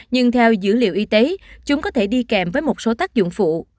nhưng theo dữ liệu y tế chúng có thể đi kèm với một số tác dụng phụ